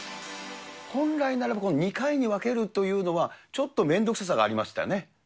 本来ならば、２回に分けるというのは、ちょっとめんどくささがありましたよね。